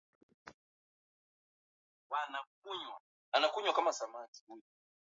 Wamaasai hunywa damu katika matukio mbalimbali